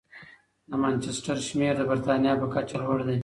د مانچسټر شمېر د بریتانیا په کچه لوړ دی.